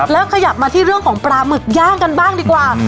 แล้วขยับมาที่เรื่องของปลาหมึกย่างกันบ้างดีกว่า